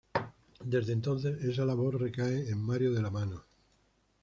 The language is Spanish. Desde entonces esa labor recae en Mario de la Mano.